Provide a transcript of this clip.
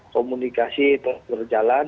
komunikasi itu berjalan